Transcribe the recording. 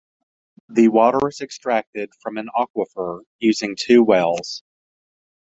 The water is extracted from an aquifer using two wells.